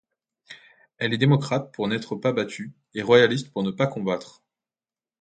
Elle est démocrate pour n’être pas battue, et royaliste pour ne pas combattre.